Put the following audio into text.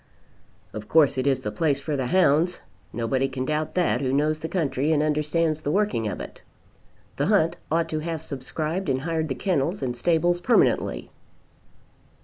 "Of course it is the place for the hounds. Nobody can doubt that who knows the country and understands the working of it. The hunt ought to have subscribed and hired the kennels and stables permanently."